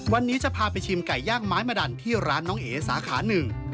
วันนี้จะพาไปชิมไก่ย่างไม้มะดันที่ร้านน้องเอ๋สาขาหนึ่ง